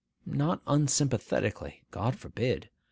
Not unsympathetically,—God forbid!